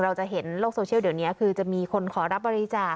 เราจะเห็นโลกโซเชียลเดี๋ยวนี้คือจะมีคนขอรับบริจาค